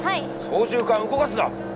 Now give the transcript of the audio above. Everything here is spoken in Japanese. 操縦かん動かすな！